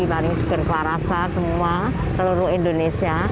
bagi segera ke warasan semua seluruh indonesia